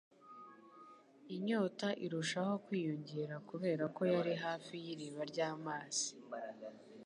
Inyota irushaho kwiyongera kubera ko yari hafi y’iriba ry’amazi